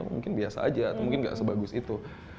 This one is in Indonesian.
mungkin biasa aja mungkin nggak sebagus itu